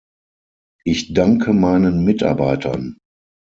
Ich danke meinen Mitarbeitern.